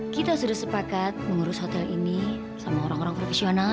kita sudah sepakat mengurus hotel ini sama orang orang profesional